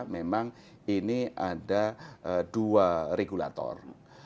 memang ini ada dua regulator